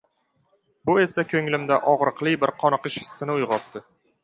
bu esa koʻnglimda ogʻriqli bir qoniqish hissini uygʻotdi.